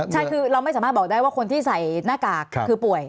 ใช่คือเราไม่สามารถบอกได้ว่าคนที่ใส่หน้ากากคือป่วย